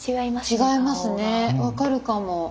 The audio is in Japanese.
違いますね分かるかも。